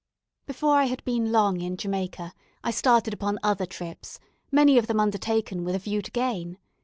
Before I had been long in Jamaica I started upon other trips, many of them undertaken with a view to gain.